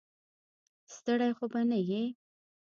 ستړی خو به نه یې.